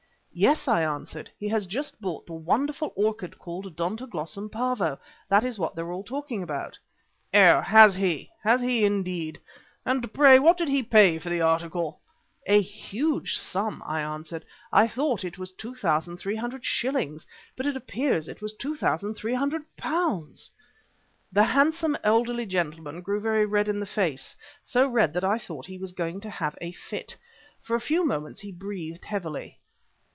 "Yes," I answered, "he has just bought the wonderful orchid called 'Odontoglossum Pavo.' That is what they are all talking about." "Oh, has he? Has he indeed? And pray what did he pay for the article?" "A huge sum," I answered. "I thought it was two thousand three hundred shillings, but it appears it was £2,300." The handsome, elderly gentleman grew very red in the face, so red that I thought he was going to have a fit. For a few moments he breathed heavily.